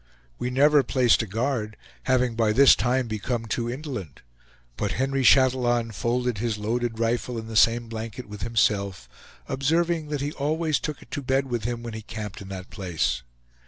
We never placed a guard, having by this time become too indolent; but Henry Chatillon folded his loaded rifle in the same blanket with himself, observing that he always took it to bed with him when he camped in that place.